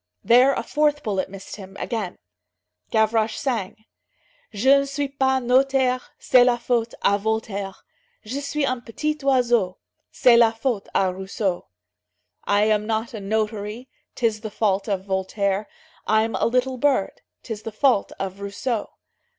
There a fourth bullet missed him, again. Gavroche sang: "Je ne suis pas notaire, C'est la faute à Voltaire; Je suis un petit oiseau, C'est la faute à Rousseau." "I am not a notary, 'Tis the fault of Voltaire; I'm a little bird, 'Tis the fault of Rousseau."